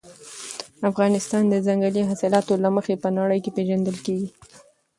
افغانستان د ځنګلي حاصلاتو له مخې په نړۍ کې پېژندل کېږي.